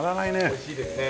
おいしいですね。